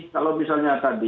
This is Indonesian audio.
kalau misalnya tadi